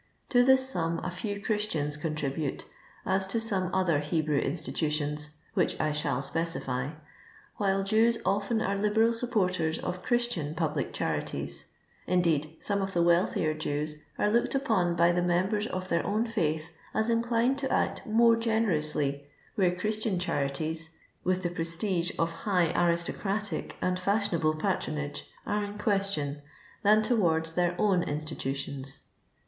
To this sum a few Christians contribute, as to some other Hebrew insUtutions (which I shall specify), while Jews often are liberal supporters of Christian public charities — indeed, some of the wealthier Jews are looked upon by the members of their own fiiith as inclined to act more generously where Christian charities, with the prestige of high aristocratic and fiishion able patronage, are in question, than towards their own institutions.